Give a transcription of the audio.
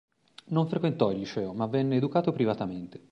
Non frequentò il liceo, ma venne educato privatamente.